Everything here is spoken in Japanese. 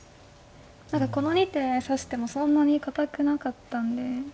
何かこの２手指してもそんなに堅くなかったんで。